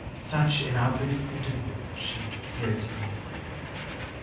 Such, in our brief interview, she appeared to me."